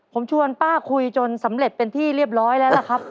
ผมชวนป้าคุยจนสำเร็จเป็นที่เรียบร้อยแล้วล่ะครับ